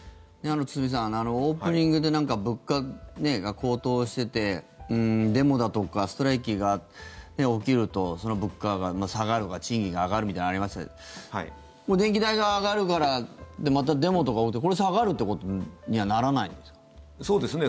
堤さん、オープニングで物価が高騰しててデモだとかストライキが起きるとその物価が下がるか賃金が上がるみたいなのがありますが電気代が上がるからまたデモとか起きてこれ、下がるってことにはならないんですか？